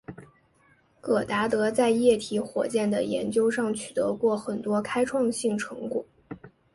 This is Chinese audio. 戈达德在液体火箭的研究上取得过很多开创性成果。